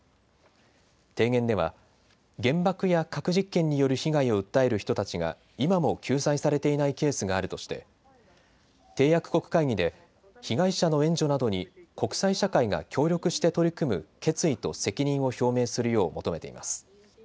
提言では原爆や核実験による被害を訴える人たちが今も救済されていないケースがあるとして締約国会議で被害者の援助などに国際社会が協力して取り組む決意と責任を表明するよう求めています。